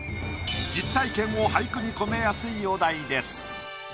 実体験を俳句に込めやすいお題です。